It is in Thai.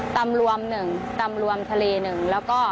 ตำรวมนึงตำรวมทะเลหนึ่ง